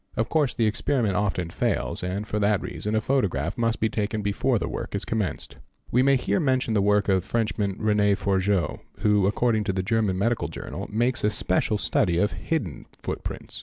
Of course the experiment often fails and for that reason a photograph must be taken before the work is commenced. | We may here mention the work of the Frenchman René Forgeot who according to the "German Medical Journal" makes a special study — of "hidden" footprints.